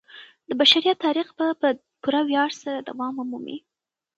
د بشریت تاریخ به په پوره ویاړ سره دوام ومومي.